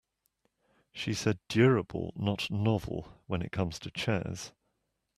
She said durable not novel when it comes to chairs.